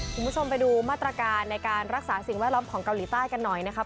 คุณผู้ชมไปดูมาตรการในการรักษาสิ่งแวดล้อมของเกาหลีใต้กันหน่อยนะครับ